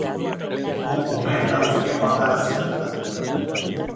Gu ume eta guzti joan gara zirkura.